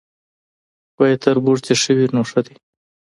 وایي تربور چي ښه وي نو ښه دی